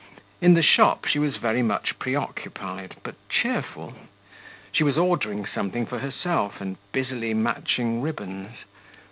In the shop she was very much preoccupied, but cheerful.... She was ordering something for herself, and busily matching ribbons.